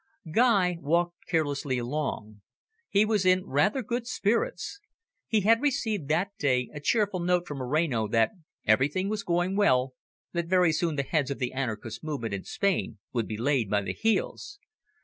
Guy walked carelessly along. He was in rather good spirits. He had received that day a cheerful note from Moreno that everything was going well, that very soon the heads of the anarchist movement in Spain would be laid by the heels.